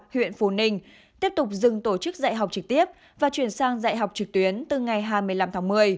huyện phú ninh tiếp tục dừng tổ chức dạy học trực tiếp và chuyển sang dạy học trực tuyến từ ngày hai mươi năm tháng một mươi